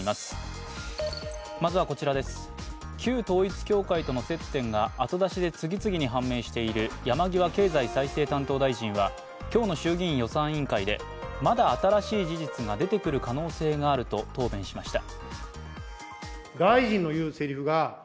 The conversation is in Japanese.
旧統一教会との接点が後出しで次々に判明している山際経済再生担当大臣は今日の衆議院予算委員会でまだ新しい事実が出てくる可能性があると答弁しました。